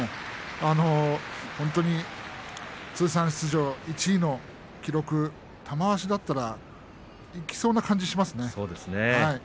本当に通算出場１位の記録玉鷲だったらいきそうな感じしますね。